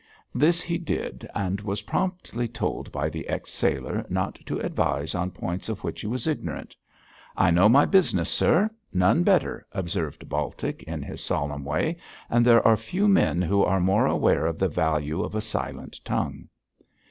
This he did, and was promptly told by the ex sailor not to advise on points of which he was ignorant. 'I know my business, sir, none better,' observed Baltic, in his solemn way, 'and there are few men who are more aware of the value of a silent tongue.'